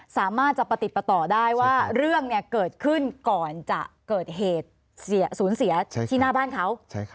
สามารถจะประติดประต่อได้ว่าเรื่องเกิดขึ้นก่อนจะเกิดเหตุสูญเสียที่หน้าบ้านเขา